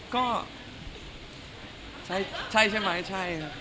ก็ใช่ใช่ไหมใช่